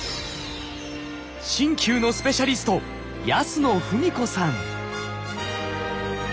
鍼灸のスペシャリスト安野富美子さん。